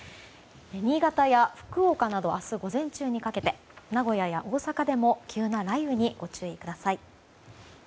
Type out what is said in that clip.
新潟や福岡など明日、午前中にかけて名古屋や大阪でも急な雷雨にご注意ください。